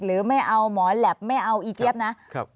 ไม่เอาหมอแหลปไม่เอาอีเจี๊ยบนะ